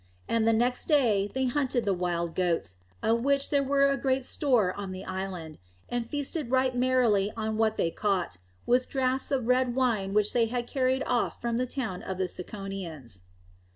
And the next day they hunted the wild goats, of which there was great store on the island, and feasted right merrily on what they caught, with draughts of red wine which they had carried off from the town of the Ciconians.